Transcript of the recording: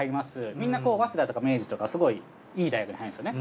みんな早稲田とか明治とかすごいいい大学に入るんですよね。